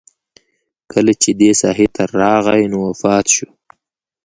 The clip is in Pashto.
کله چې دې ساحې ته راغی نو وفات شو.